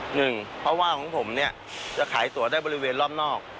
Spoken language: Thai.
เพราะว่าของผมเนี่ยจะขายตัวได้บริเวณรอบนอก